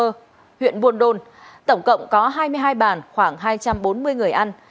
trong đó huyện buồn đôn tổng cộng có hai mươi hai bàn khoảng hai trăm bốn mươi người ăn